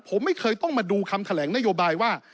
ผมไม่เคยต้องมาดูคำแถลงนโยบายว่า